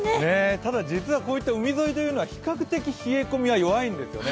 ただ実はこういった海沿いというのは比較的冷え込みは弱いんですよね。